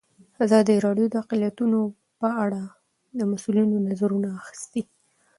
ازادي راډیو د اقلیتونه په اړه د مسؤلینو نظرونه اخیستي.